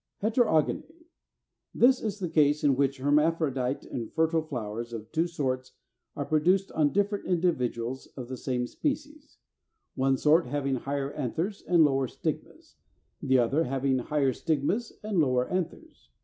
341. =Heterogony.= This is the case in which hermaphrodite and fertile flowers of two sorts are produced on different individuals of the same species; one sort having higher anthers and lower stigmas, the other having higher stigmas and lower anthers.